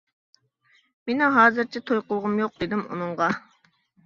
مېنىڭ ھازىرچە توي قىلغۇم يوق، — دېدىم ئۇنىڭغا.